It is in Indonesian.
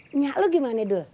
minyak lu gimana dul